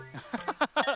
ハハハハ。